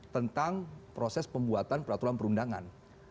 tentang proses pembuatan peraturan perundangan